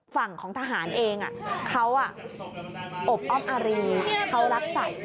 ฝั่งของทหารเองเขาอบอ้อมอารีเขารักสัตว์